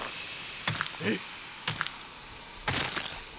えっ？